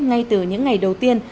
ngay từ những ngày đầu tiên